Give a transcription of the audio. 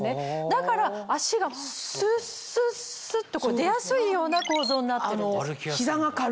だから脚がスッスッと出やすいような構造になってるんです。